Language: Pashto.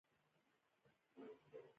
هر يوه ته پکار ده له نورو سره چلند وکړي.